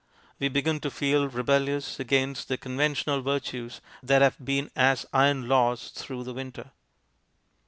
We begin to feel rebellious against the conventional virtues that have been as iron laws through the winter.